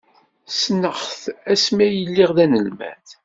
Ssneɣ-t asmi ay lliɣ d anelmad.